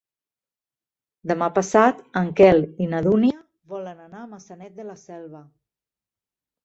Demà passat en Quel i na Dúnia volen anar a Maçanet de la Selva.